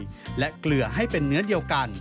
หนึ่งควบคุมควบคุมเดือดให้เป็นเนื้อเดียวกัน